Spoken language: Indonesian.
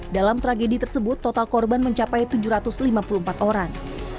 dalam tragedi tersebut total korban mencapai tujuh ratus lima puluh empat orang